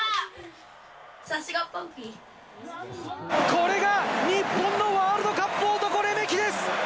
これが日本のワールドカップ男、レメキです。